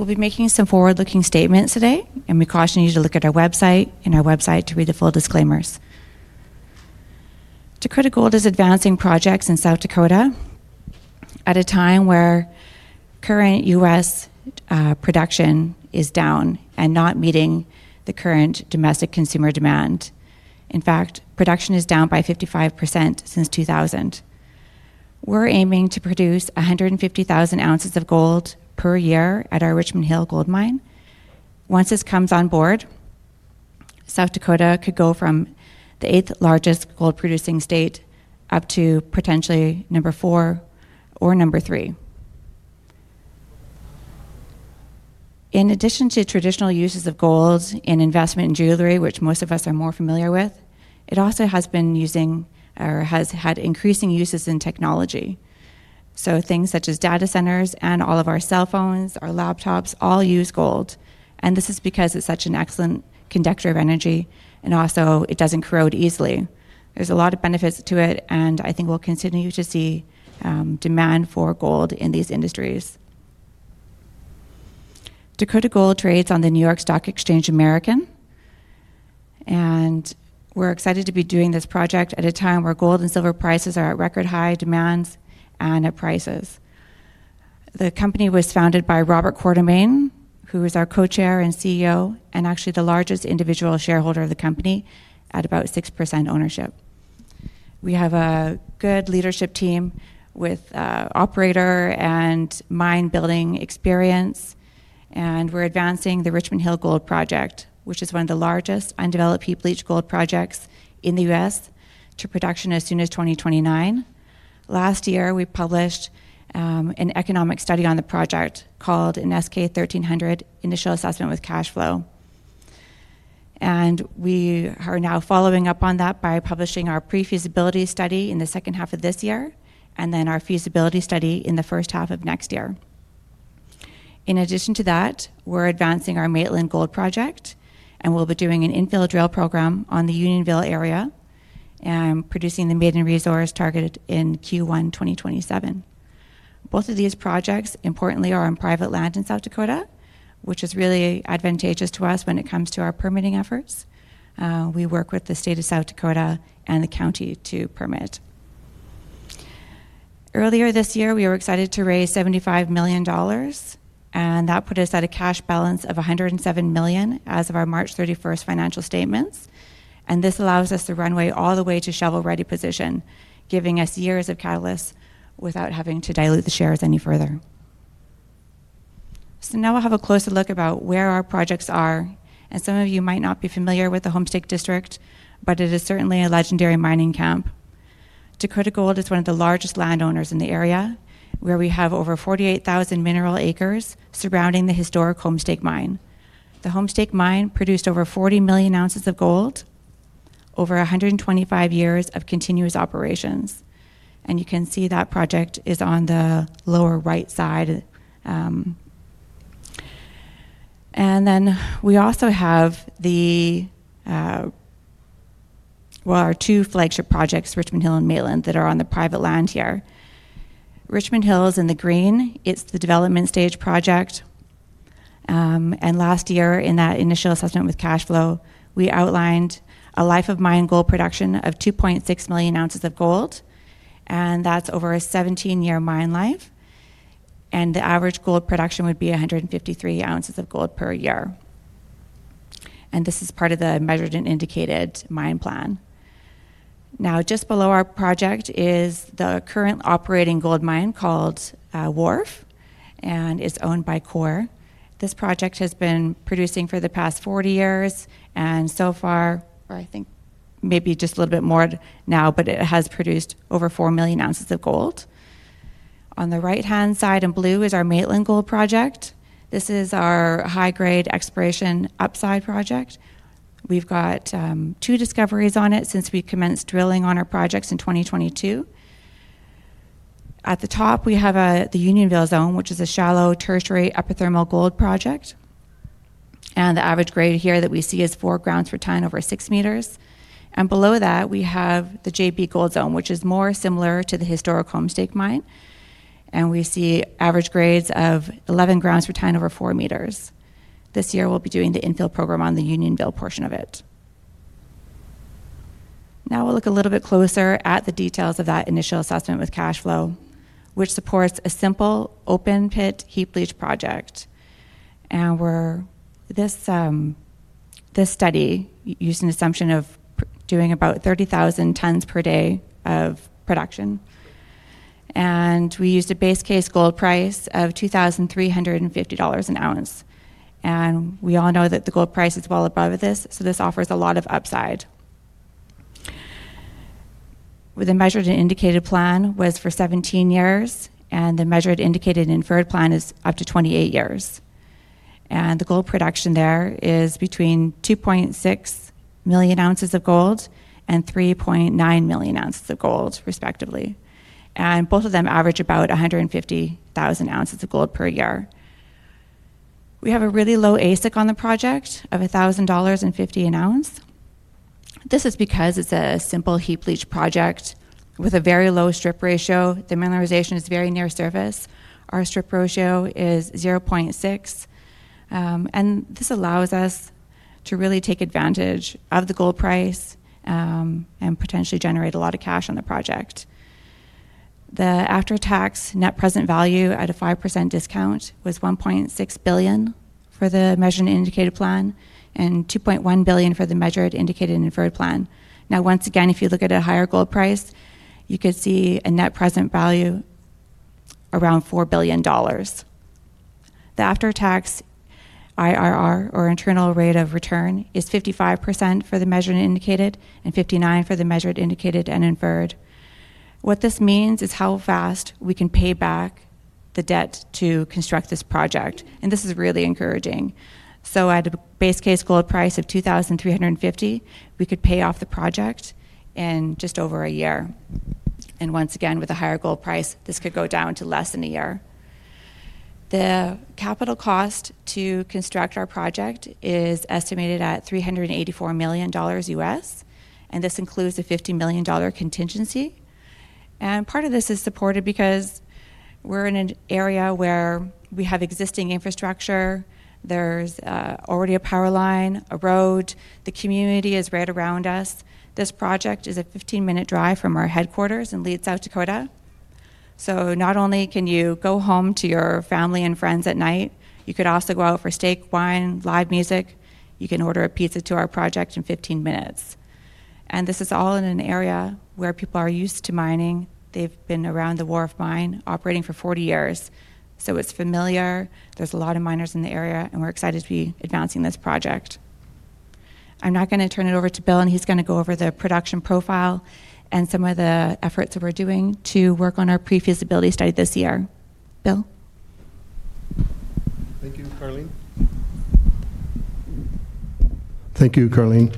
We'll be making some forward-looking statements today. We caution you to look at our website and our website to read the full disclaimers. Dakota Gold is advancing projects in South Dakota at a time where current U.S. production is down and not meeting the current domestic consumer demand. In fact, production is down by 55% since 2000. We're aiming to produce 150,000 ounces of gold per year at our Richmond Hill Gold Mine. Once this comes on board, South Dakota could go from the eighth-largest gold-producing state up to potentially number four or number three. In addition to traditional uses of gold in investment and jewelry, which most of us are more familiar with, it also has been using or has had increasing uses in technology. Things such as data centers and all of our cell phones, our laptops, all use gold. This is because it's such an excellent conductor of energy and also it doesn't corrode easily. There's a lot of benefits to it. I think we'll continue to see demand for gold in these industries. Dakota Gold trades on the New York Stock Exchange American. We're excited to be doing this project at a time where gold and silver prices are at record high demands and at prices. The company was founded by Robert Quartermain, who is our Co-Chairman and CEO and actually the largest individual shareholder of the company at about 6% ownership. We have a good leadership team with operator and mine building experience. We're advancing the Richmond Hill Gold Project, which is one of the largest undeveloped heap leach gold projects in the U.S., to production as soon as 2029. Last year, we published an economic study on the project called an S-K 1300 Initial Assessment with Cash Flow. We are now following up on that by publishing our pre-feasibility study in the second half of this year and then our feasibility study in the first half of next year. We're advancing our Maitland Gold Project. We'll be doing an infill drill program on the Unionville area and producing the maiden resource targeted in Q1 2027. Both of these projects, importantly, are on private land in South Dakota, which is really advantageous to us when it comes to our permitting efforts. We work with the state of South Dakota and the county to permit. Earlier this year, we were excited to raise $75 million, and that put us at a cash balance of $107 million as of our March 31st financial statements. This allows us the runway all the way to shovel-ready position, giving us years of catalysts without having to dilute the shares any further. Now we'll have a closer look about where our projects are. Some of you might not be familiar with the Homestake District, but it is certainly a legendary mining camp. Dakota Gold is one of the largest landowners in the area, where we have over 48,000 mineral acres surrounding the historic Homestake Mine. The Homestake Mine produced over 40 million ounces of gold over 125 years of continuous operations. You can see that project is on the lower right side. We also have our two flagship projects, Richmond Hill and Maitland, that are on the private land here. Richmond Hill is in the green. It's the development stage project. Last year in that initial assessment with cash flow, we outlined a life of mine gold production of 2.6 million ounces of gold, and that's over a 17-year mine life. The average gold production would be 153,000 ounces of gold per year. This is part of the measured and indicated mine plan. Just below our project is the current operating gold mine called Wharf, and it's owned by Coeur. This project has been producing for the past 40 years and so far, or I think maybe just a little bit more now, but it has produced over 4 million ounces of gold. On the right-hand side in blue is our Maitland Gold project. This is our high-grade exploration upside project. We've got two discoveries on it since we commenced drilling on our projects in 2022. At the top, we have the Unionville Zone, which is a shallow tertiary epithermal gold project. The average grade here that we see is 4 g per ton over six meters. Below that, we have the JB Gold Zone, which is more similar to the historical Homestake mine, and we see average grades of 11 g per ton over four meters. This year, we'll be doing the infill program on the Unionville portion of it. We'll look a little bit closer at the details of that initial assessment with cash flow, which supports a simple open-pit heap leach project. This study used an assumption of doing about 30,000 tons per day of production, and we used a base case gold price of $2,350 an ounce, and we all know that the gold price is well above this, so this offers a lot of upside. The measured and indicated plan was for 17 years, and the measured indicated inferred plan is up to 28 years. The gold production there is between 2.6 million ounces of gold and 3.9 million ounces of gold, respectively. Both of them average about 150,000 ounces of gold per year. We have a really low AISC on the project of $1,050 an ounce. This is because it's a simple heap leach project with a very low strip ratio. The mineralization is very near surface. Our strip ratio is 0.6, and this allows us to really take advantage of the gold price, and potentially generate a lot of cash on the project. The after-tax net present value at a 5% discount was $1.6 billion for the measured and indicated plan, and $2.1 billion for the measured, indicated, and inferred plan. Once again, if you look at a higher gold price, you could see a net present value around $4 billion. The after-tax IRR or internal rate of return is 55% for the measured and indicated, and 59% for the measured, indicated, and inferred. What this means is how fast we can pay back the debt to construct this project, and this is really encouraging. At a base case gold price of $2,350, we could pay off the project in just over a year. Once again, with a higher gold price, this could go down to less than a year. The capital cost to construct our project is estimated at $384 million, and this includes a $50 million contingency. Part of this is supported because we're in an area where we have existing infrastructure. There's already a power line, a road. The community is right around us. This project is a 15-minute drive from our headquarters in Lead, South Dakota. Not only can you go home to your family and friends at night, you could also go out for steak, wine, live music. You can order a pizza to our project in 15 minutes. This is all in an area where people are used to mining. They've been around the Wharf mine operating for 40 years, so it's familiar. There's a lot of miners in the area. We're excited to be advancing this project. I'm now going to turn it over to Bill. He's going to go over the production profile and some of the efforts that we're doing to work on our pre-feasibility study this year. Bill? Thank you, Carling.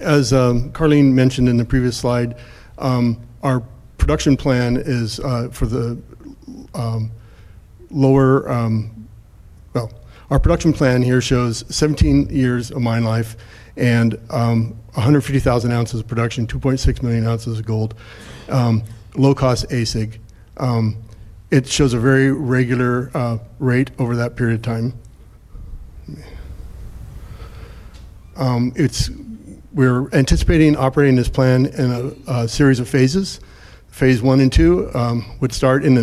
As Carling mentioned in the previous slide, our production plan here shows 17 years of mine life, 150,000 ounces of production, 2.6 million ounces of gold. Low cost AISC. It shows a very regular rate over that period of time. We're anticipating operating this plan in a series of phases. Phase 1 and 2 would start in the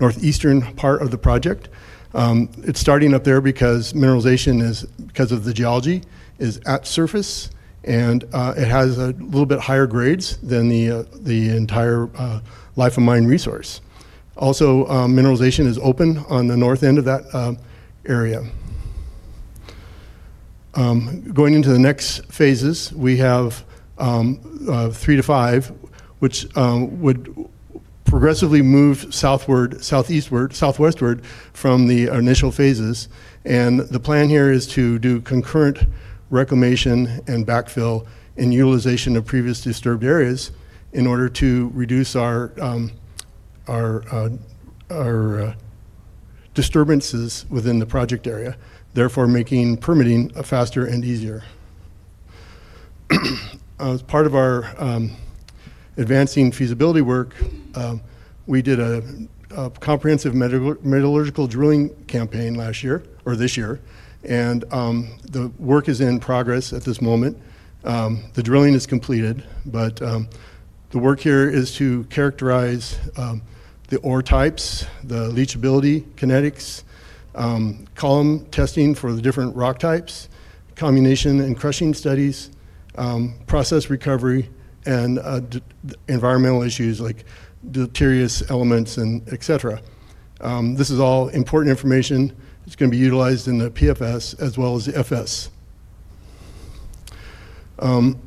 northeastern part of the project. It's starting up there because of the geology, is at surface, and it has a little bit higher grades than the entire life of mine resource. Also, mineralization is open on the north end of that area. Going into the next phases, we have 3 to 5, which would progressively move southwestward from the initial phases. The plan here is to do concurrent reclamation and backfill and utilization of previously disturbed areas in order to reduce our disturbances within the project area, therefore making permitting faster and easier. As part of our advancing feasibility work, we did a comprehensive metallurgical drilling campaign this year. The work is in progress at this moment. The drilling is completed, but the work here is to characterize the ore types, the leachability, kinetics, column testing for the different rock types, comminution and crushing studies, process recovery, and environmental issues like deleterious elements and et cetera. This is all important information that's going to be utilized in the PFS as well as the FS. I'm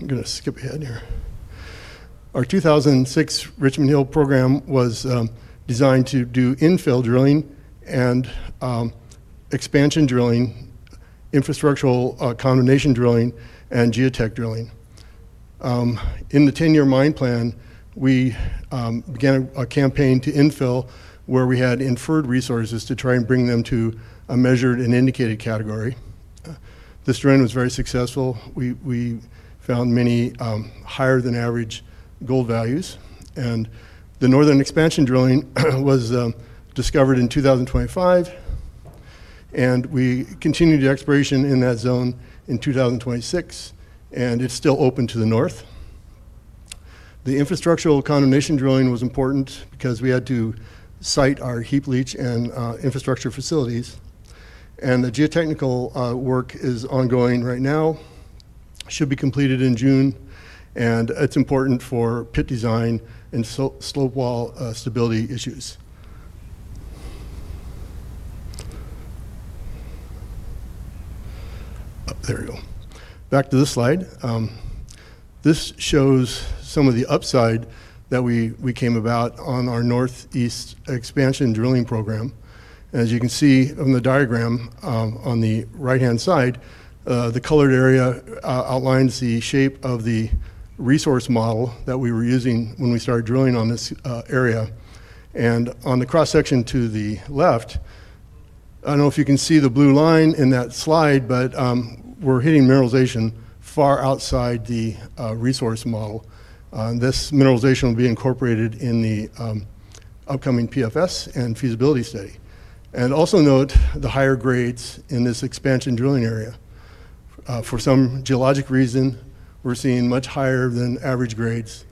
going to skip ahead here. Our 2026 Richmond Hill program was designed to do infill drilling and expansion drilling, infrastructural comminution drilling, and geotech drilling. In the 10-year mine plan, we began a campaign to infill where we had inferred resources to try and bring them to a measured and indicated category. This drilling was very successful. We found many higher than average gold values. The northern expansion drilling was discovered in 2025, and we continued the exploration in that zone in 2026, and it's still open to the north. The infrastructural combination drilling was important because we had to site our heap leach and infrastructure facilities, the geotechnical work is ongoing right now. Should be completed in June, it's important for pit design and slope wall stability issues. There we go. Back to this slide. This shows some of the upside that we came about on our northeast expansion drilling program. As you can see on the diagram on the right-hand side, the colored area outlines the shape of the resource model that we were using when we started drilling on this area. On the cross-section to the left, I don't know if you can see the blue line in that slide, but we're hitting mineralization far outside the resource model. This mineralization will be incorporated in the upcoming PFS and feasibility study. Also note the higher grades in this expansion drilling area. For some geologic reason, we're seeing much higher than average grades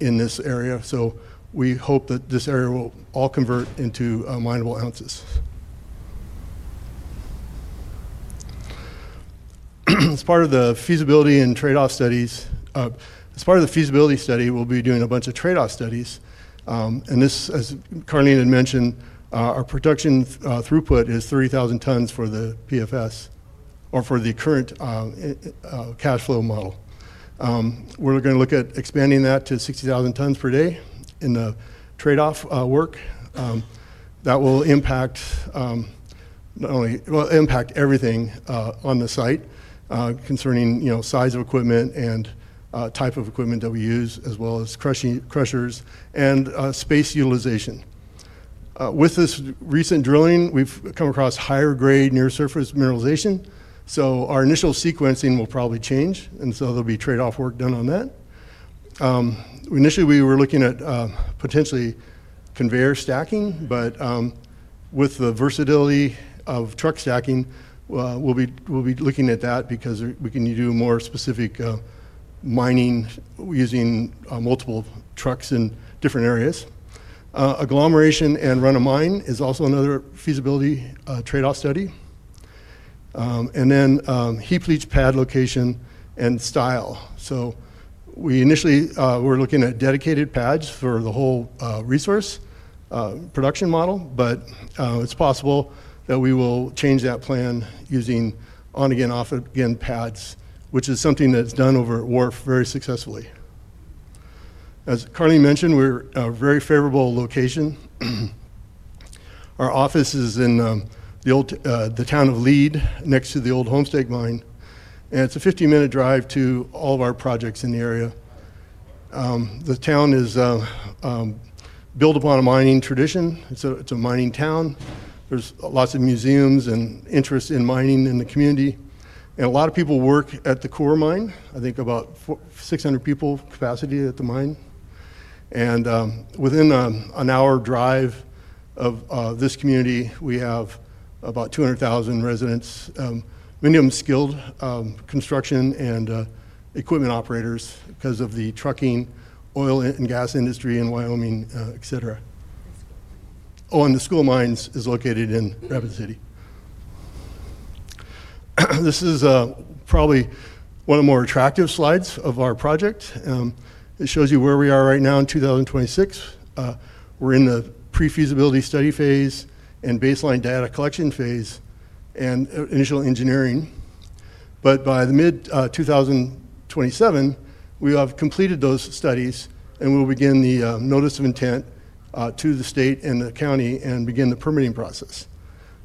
in this area, so we hope that this area will all convert into mineable ounces. As part of the feasibility study, we'll be doing a bunch of trade-off studies. This, as Carling had mentioned, our production throughput is 30,000 tons for the PFS or for the current cash flow model. We're going to look at expanding that to 60,000 tons per day in the trade-off work. That will impact everything on the site concerning size of equipment and type of equipment that we use, as well as crushers and space utilization. With this recent drilling, we've come across higher grade near surface mineralization, so our initial sequencing will probably change, and so there'll be trade-off work done on that. Initially we were looking at potentially conveyor stacking, but with the versatility of truck stacking we'll be looking at that because we can do more specific mining using multiple trucks in different areas. Agglomeration and run of mine is also another feasibility trade-off study. Then heap leach pad location and style. Initially we're looking at dedicated pads for the whole resource production model, but it's possible that we will change that plan using on again, off again pads, which is something that's done over at Wharf very successfully. As Carling mentioned, we're a very favorable location. Our office is in the town of Lead next to the old Homestake Mine, and it's a 15-minute drive to all of our projects in the area. The town is built upon a mining tradition. It's a mining town. There's lots of museums and interest in mining in the community. A lot of people work at the Coeur mine, I think about 600 people capacity at the mine. Within an hour drive of this community, we have about 200,000 residents, many of them skilled construction and equipment operators because of the trucking, oil, and gas industry in Wyoming, et cetera. The School of Mines is located in Rapid City. This is probably one of the more attractive slides of our project. It shows you where we are right now in 2026. We're in the Pre-Feasibility Study phase and baseline data collection phase and initial engineering. By the mid-2027, we have completed those studies, and we will begin the Notice of Intent to the state and the county and begin the permitting process.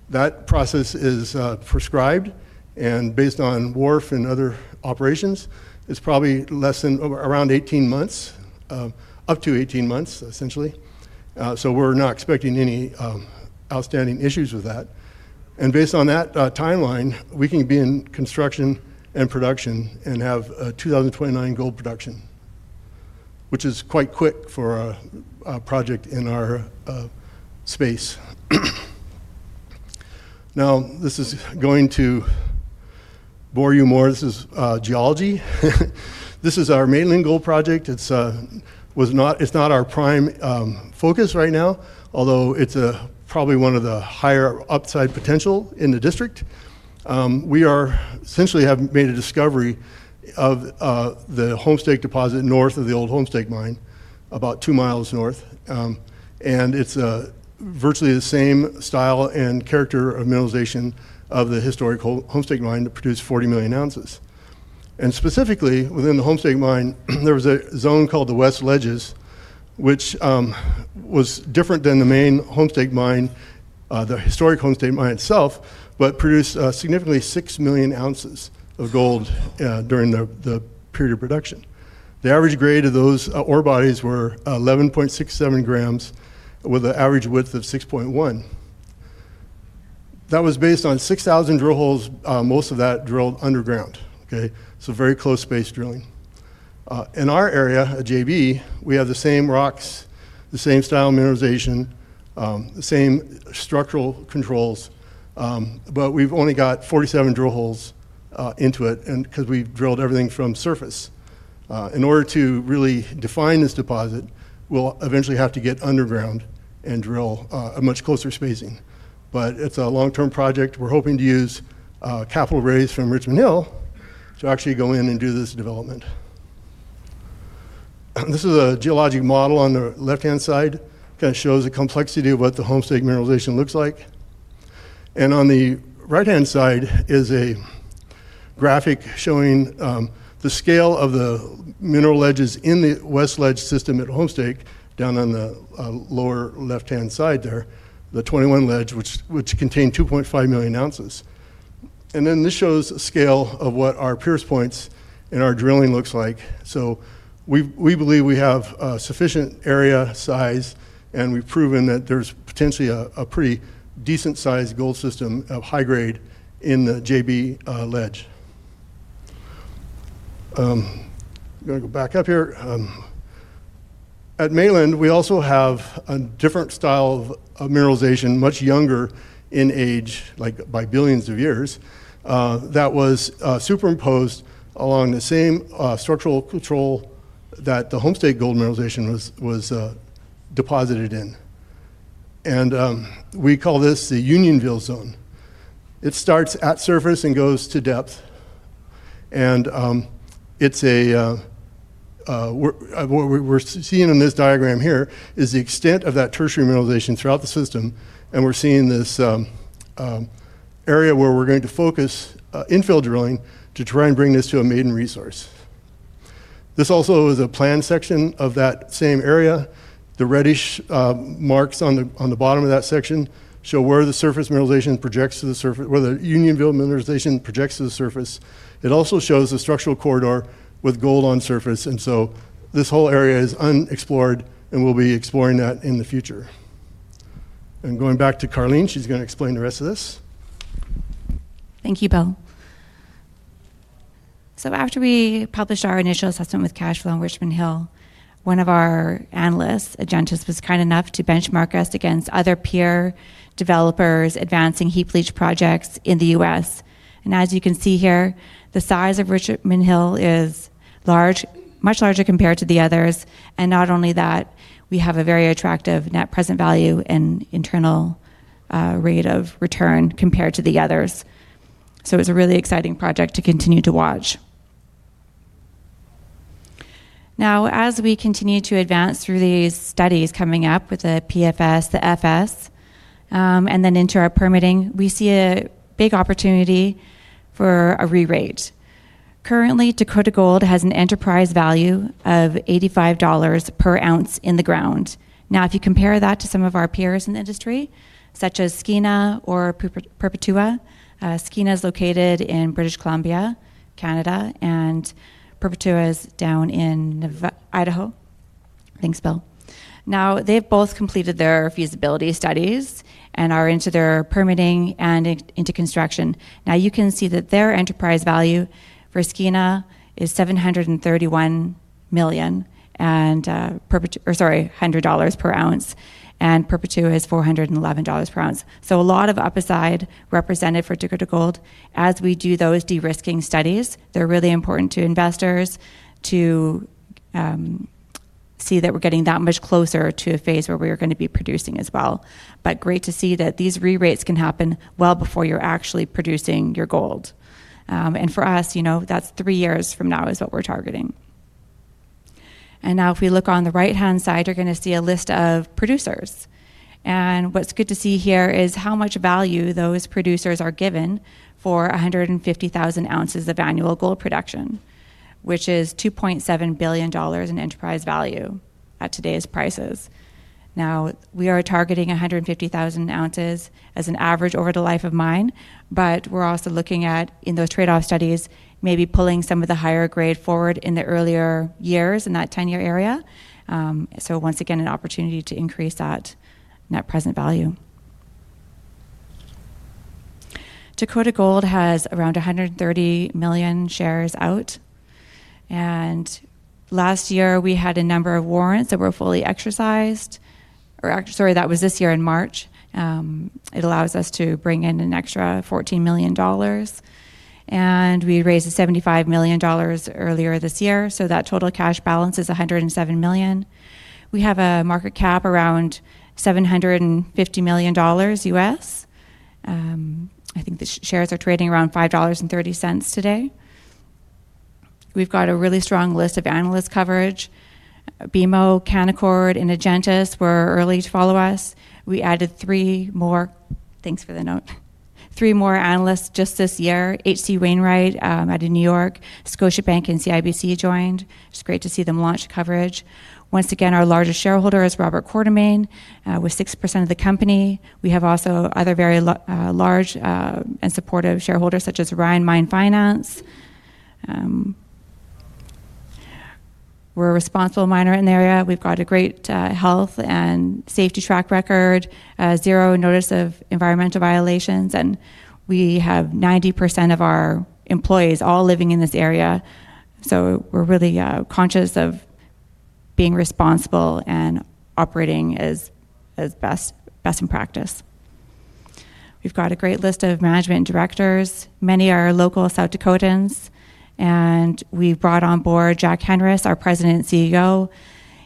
That process is prescribed and based on Wharf and other operations. It's probably less than around 18 months, up to 18 months, essentially. We're not expecting any outstanding issues with that. Based on that timeline, we can be in construction and production and have 2029 gold production, which is quite quick for a project in our space. This is going to bore you more. This is geology. This is our Maitland gold project. It's not our prime focus right now, although it's probably one of the higher upside potential in the district. We essentially have made a discovery of the Homestake deposit north of the old Homestake Mine, about two miles north. It's virtually the same style and character of mineralization of the historical Homestake Mine that produced 40 million ounces. Specifically within the Homestake Mine, there was a zone called the West Ledges, which was different than the main Homestake Mine, the historic Homestake Mine itself, but produced a significantly 6 million ounces of gold during the period of production. The average grade of those ore bodies were 11.67 g with an average width of 6.1. That was based on 6,000 drill holes, most of that drilled underground. Okay. So very close-space drilling. In our area at JB, we have the same rocks, the same style of mineralization, the same structural controls, but we've only got 47 drill holes into it, because we've drilled everything from surface. In order to really define this deposit, we'll eventually have to get underground and drill a much closer spacing. It's a long-term project. We're hoping to use capital raise from Richmond Hill to actually go in and do this development. This is a geologic model on the left-hand side, kind of shows the complexity of what the Homestake mineralization looks like. On the right-hand side is a graphic showing the scale of the mineral ledges in the West Ledge system at Homestake, down on the lower left-hand side there, the 21 Ledge, which contained 2.5 million ounces. Then this shows a scale of what our pierce points in our drilling looks like. We believe we have sufficient area size, and we've proven that there's potentially a pretty decent-sized gold system of high grade in the JB Ledge. I'm going to go back up here. At Maitland, we also have a different style of mineralization, much younger in age, like by billions of years, that was superimposed along the same structural control that the Homestake gold mineralization was deposited in. We call this the Unionville Zone. It starts at surface and goes to depth. What we're seeing in this diagram here is the extent of that tertiary mineralization throughout the system, and we're seeing this area where we're going to focus infill drilling to try and bring this to a maiden resource. This also is a plan section of that same area. The reddish marks on the bottom of that section show where the Unionville mineralization projects to the surface. It also shows the structural corridor with gold on surface, this whole area is unexplored, and we'll be exploring that in the future. Going back to Carling, she's going to explain the rest of this. Thank you, Bill. After we published our initial assessment with Cashflow on Richmond Hill, one of our analysts, Agentis, was kind enough to benchmark us against other peer developers advancing heap leach projects in the U.S. As you can see here, the size of Richmond Hill is much larger compared to the others, and not only that, we have a very attractive net present value and internal rate of return compared to the others. It's a really exciting project to continue to watch. As we continue to advance through these studies coming up with the PFS, the FS, and then into our permitting, we see a big opportunity for a re-rate. Currently, Dakota Gold has an enterprise value of $85 per ounce in the ground. If you compare that to some of our peers in the industry, such as Skeena or Perpetua, Skeena is located in British Columbia, Canada, and Perpetua is down in Idaho. Thanks, Bill. They've both completed their feasibility studies and are into their permitting and into construction. You can see that their enterprise value for Skeena is $731 per ounce and Perpetua is $411 per ounce. A lot of upside represented for Dakota Gold. As we do those de-risking studies, they're really important to investors to see that we're getting that much closer to a phase where we are going to be producing as well. Great to see that these re-rates can happen well before you're actually producing your gold. For us, that's three years from now is what we're targeting. If we look on the right-hand side, you're going to see a list of producers. What's good to see here is how much value those producers are given for 150,000 ounces of annual gold production, which is $2.7 billion in enterprise value at today's prices. We are targeting 150,000 ounces as an average over the life of mine, but we're also looking at, in those trade-off studies, maybe pulling some of the higher grade forward in the earlier years in that 10-year area. Once again, an opportunity to increase that net present value. Dakota Gold has around 130 million shares out, last year we had a number of warrants that were fully exercised, or sorry, that was this year in March. It allows us to bring in an extra $14 million. We raised $75 million earlier this year. That total cash balance is $107 million. We have a market cap around $750 million. I think the shares are trading around $5.30 today. We've got a really strong list of analyst coverage. BMO, Canaccord, and Agentis were early to follow us. We added three more. Thanks for the note. Three more analysts just this year. H.C. Wainwright out of New York, Scotiabank, and CIBC joined. It's great to see them launch coverage. Once again, our largest shareholder is Robert Quartermain with 6% of the company. We have also other very large and supportive shareholders, such as Orion Mine Finance. We're a responsible miner in the area. We've got a great health and safety track record, zero notice of environmental violations, and we have 90% of our employees all living in this area. We're really conscious of being responsible and operating as best in practice. We've got a great list of management directors. Many are local South Dakotans. We've brought on board Jack Henris, our President and Chief Operating Officer.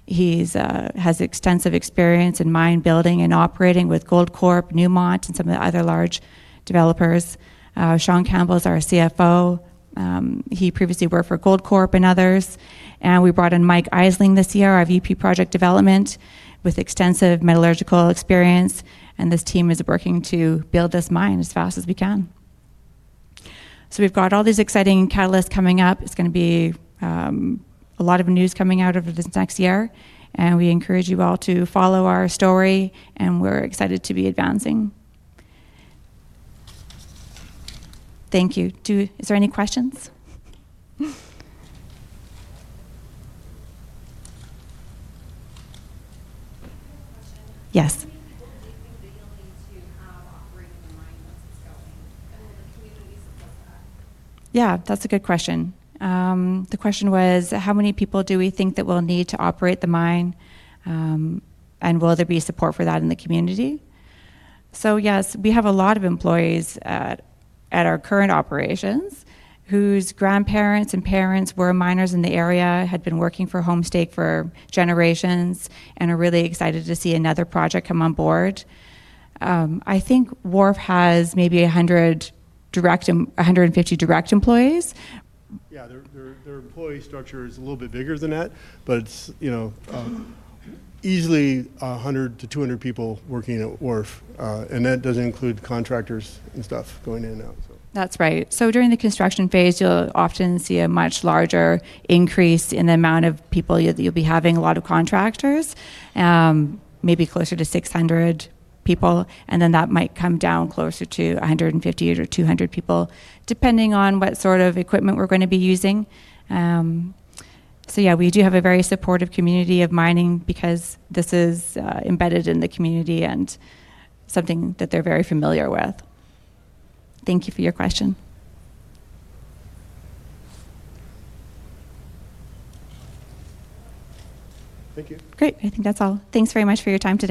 He has extensive experience in mine building and operating with Goldcorp, Newmont, and some of the other large developers. Shawn Campbell is our CFO. He previously worked for Goldcorp and others. We brought in Mike Eiselein this year, our Vice President Project Development, with extensive metallurgical experience. This team is working to build this mine as fast as we can. We've got all these exciting catalysts coming up. It's going to be a lot of news coming out over this next year. We encourage you all to follow our story. We're excited to be advancing. Thank you. Is there any questions? I have a question. Yes. How many people do you think that you'll need to have operating the mine once it's going, and will the community support that? That's a good question. The question was, how many people do we think that we'll need to operate the mine, and will there be support for that in the community? Yes, we have a lot of employees at our current operations whose grandparents and parents were miners in the area, had been working for Homestake for generations, and are really excited to see another project come on board. I think Wharf has maybe 150 direct employees. Their employee structure is a little bit bigger than that. It's easily 100 to 200 people working at Wharf. That doesn't include the contractors and stuff going in and out. That's right. During the construction phase, you'll often see a much larger increase in the amount of people. You'll be having a lot of contractors, maybe closer to 600 people, and then that might come down closer to 150 or 200 people, depending on what sort of equipment we're going to be using. Yeah, we do have a very supportive community of mining because this is embedded in the community and something that they're very familiar with. Thank you for your question. Thank you. Great. I think that's all. Thanks very much for your time today.